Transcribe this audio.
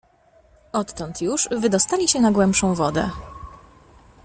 Odtąd już wydostali się na głębszą wodę.